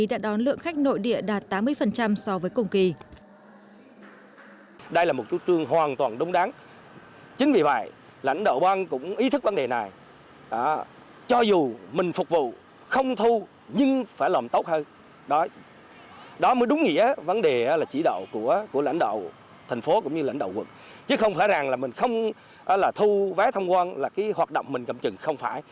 đã đón lượng khách nội địa đạt tám mươi so với cùng kỳ